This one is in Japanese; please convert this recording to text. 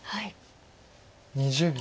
２０秒。